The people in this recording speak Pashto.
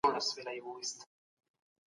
د کار حاصل د سرمايې په پرتله لوړ دی.